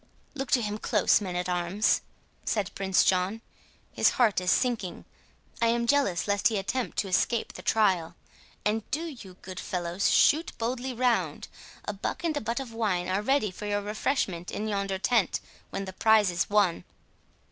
"Look to him close, men at arms," said Prince John, "his heart is sinking; I am jealous lest he attempt to escape the trial.—And do you, good fellows, shoot boldly round; a buck and a butt of wine are ready for your refreshment in yonder tent, when the prize is won."